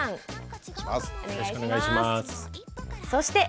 お願いします。